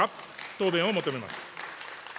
答弁を求めます。